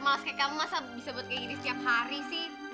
malas kayak kamu masa bisa buat kayak gini setiap hari sih